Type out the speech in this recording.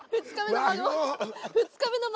２日目の孫？